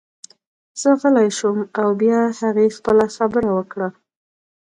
زه غلی شوم او بیا هغې خپله خبره وکړه